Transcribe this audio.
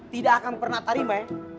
tidak akan pernah tarimai